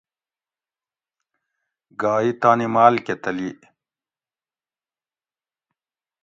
گھا ای تانی ماۤل کہ تلی